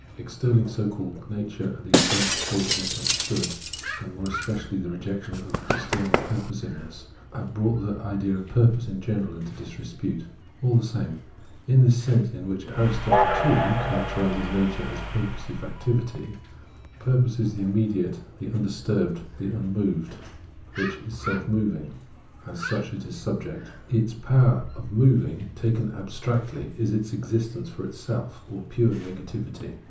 Extolling so called nature at the expense of thought misunderstood, and more especially the rejection of external purposive ness, have brought the idea of purpose in general into disrepute. AU the same, in the sense in which Aristotle, too, characterises nature as purposive activity, purpose is the inunediate, the midisturbed, the unmoved which is self moving ; as such it is subject. Its power of moving, taken abstractly, is its existence for itself, or pure negativity.